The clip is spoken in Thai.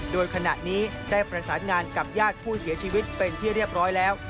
โดยขณะนี้ได้ประสานงานกับญาติผู้เสียชีวิตเป็นที่เรียบร้อยแล้ว